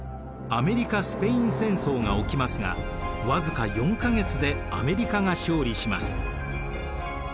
アメリカ・スペイン戦争が起きますが僅か４か月でアメリカが勝利します。